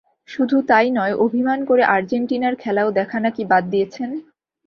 শুধু তা-ই নয়, অভিমান করে আর্জেন্টিনার খেলাও দেখা নাকি বাদ দিয়েছেন।